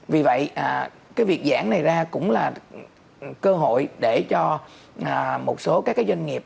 vì vậy cái việc giảm này ra cũng là cơ hội để cho một số các doanh nghiệp